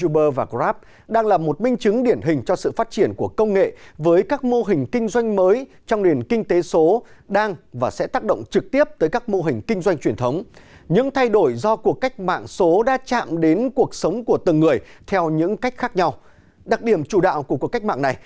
uber và grab đang làm ảnh hưởng lớn tới lợi nhuận các doanh nghiệp taxi truyền thống trong thời gian gần đây